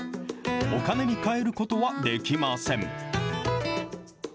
お金に換えることはできません。